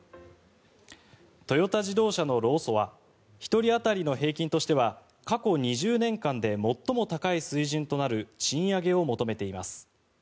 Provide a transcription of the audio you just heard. トヨタ自動車の労組は１人当たりの平均としては過去２０年間で最も高い水準となる賃上げを求めています。